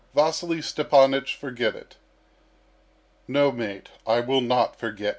Vasily Stepanych, forget it." "No, mate, I will not forget.